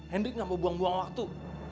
hendrik gak mau buang buang waktu